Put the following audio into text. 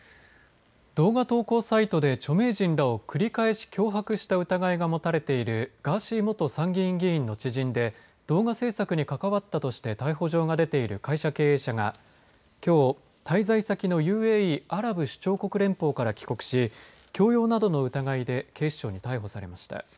動画投稿サイトで著名人らを繰り返し脅迫した疑いが持たれているガーシー元参議院議員の知人で動画制作に関わったとして逮捕状が出ている会社経営者がきょう滞在先のＵＡＥアラブ首長国連邦から帰国し強要などの疑いで警視庁に逮捕されました。